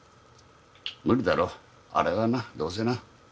無理だろあれはなどうせな。